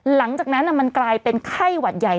หลังจากนั้นมันกลายเป็นไข้หวัดใหญ่